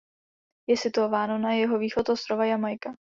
Je situováno na jihovýchod ostrova Jamajka.